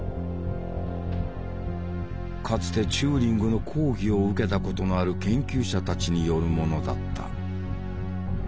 かつてチューリングの講義を受けたことのある研究者たちによるものだった。